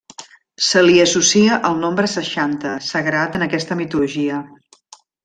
Se li associa el nombre seixanta, sagrat en aquesta mitologia.